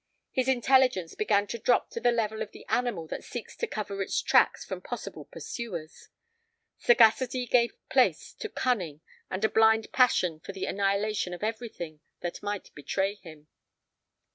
His intelligence began to drop to the level of the animal that seeks to cover its tracks from possible pursuers. Sagacity gave place to cunning and a blind passion for the annihilation of everything that might betray him.